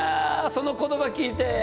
その言葉聞いて？